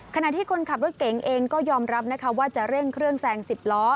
ขณะที่คนขับรถเก๋งเองก็ยอมรับนะคะว่าจะเร่งเครื่องแซง๑๐ล้อ